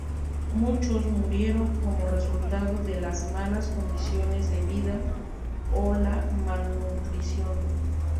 Muchos murieron como resultado de las malas condiciones de vida o la malnutrición.